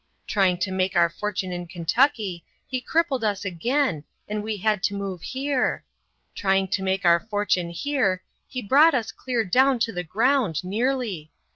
Trying to make our fortune in Kentucky he crippled us again and we had to move here. Trying to make our fortune here, he brought us clear down to the ground, nearly.